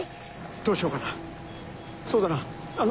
どうしようかなそうだな。